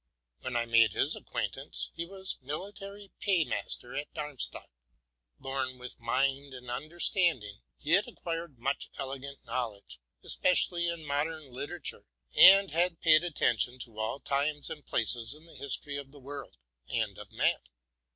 When I made his acquaintance, he was military paymaster at Darm stadt. Born with mind and understanding, he had acquired much elegant knowledge, especially in modern literature, and had paid attention to all times and places in the history of the world and of man.